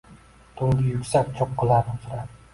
Tungi yuksak cho’qqilar uzra